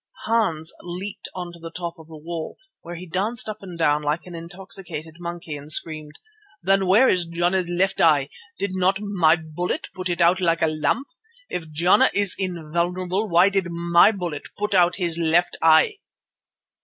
Hans leaped on to the top of the wall, where he danced up and down like an intoxicated monkey, and screamed: "Then where is Jana's left eye? Did not my bullet put it out like a lamp? If Jana is invulnerable, why did my bullet put out his left eye?"